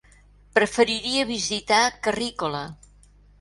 Preferiria visitar Carrícola.